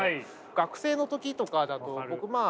学生の時とかだと僕まあ